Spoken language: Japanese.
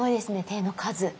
手の数。